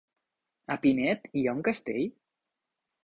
A Pinet hi ha un castell?